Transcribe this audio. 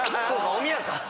おみやか。